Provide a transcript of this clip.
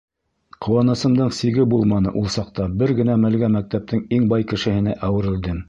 Ҡыуанысымдың сиге булманы ул саҡта, бер генә мәлгә мәктәптең иң бай кешеһенә әүерелдем.